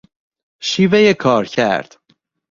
شیوهی کارکرد